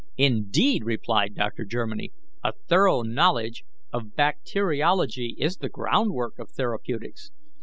"Indeed!" replied Dr. Germiny, "a thorough knowledge of bacteriology is the groundwork of therapeutics.